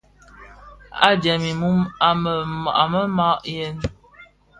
A jèm mum, a mêê maàʼyèg.